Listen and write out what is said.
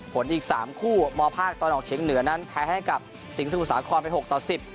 ผลอีกสามคู่มภาคตอนออกเฉียงเหนือนั้นแพ้ให้กับสิงห์ศักดิ์ศาสตร์ความไปหกต่อสิบ